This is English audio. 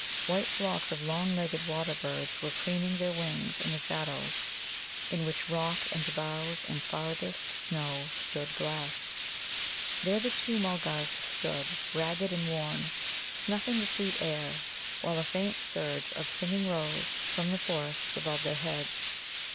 White flocks of long legged water birds were preening their wings in the shadows, in which rock and boughs and farthest snow stood glassed. There the two Mulgars stood, ragged and worn, snuffing the sweet air, while a faint surge of singing rose from the forests above their heads.